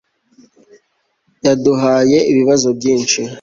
yaduhaye ibibazo byinshi